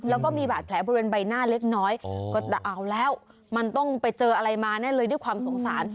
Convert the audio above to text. แล้วก็มีบาดแผลบริเวณใบหน้าเล็กน้อยก็จะเอาแล้วมันต้องไปเจออะไรมาแน่เลยด้วยความสงสาร